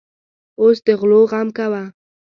اوس د غلو غم کوه.